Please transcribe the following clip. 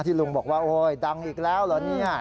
ลุงบอกว่าโอ๊ยดังอีกแล้วเหรอเนี่ย